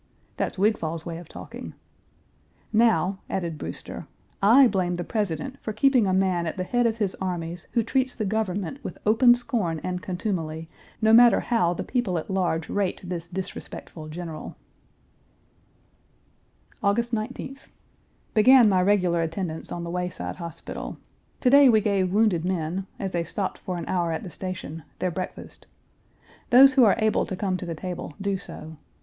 That's Wigfall's way of talking. Now," added Brewster, "I blame the President for keeping a man at the head of his armies who treats the government with open scorn and contumely, no matter how the people at large rate this disrespectful general." 1. On July 22d, Hood made a sortie from Atlanta, but after a battle was obliged to return. Page 321 August 19th. Began my regular attendance on the Wayside Hospital. To day we gave wounded men, as they stopped for an hour at the station, their breakfast. Those who are able to come to the table do so.